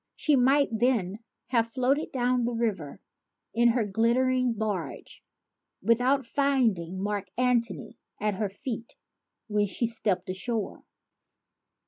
She might then have floated down the river in her glittering barge without finding Mark Antony at her feet when she stepped ashore.